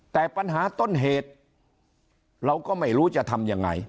แต่ปัญหาต้นเหตุเราก็ไม่รู้จะทำยังไง